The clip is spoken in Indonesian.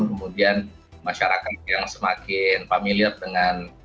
kemudian masyarakat yang semakin familiar dengan